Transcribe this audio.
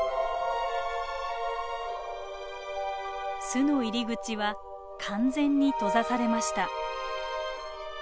巣の入り口は完全に閉ざされました。